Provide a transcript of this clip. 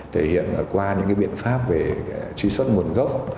thể hiện qua những biện pháp về truy xuất nguồn gốc